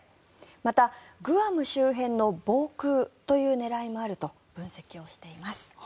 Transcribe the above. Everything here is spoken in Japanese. また、グアム周辺の防空という狙いもあると分析しています。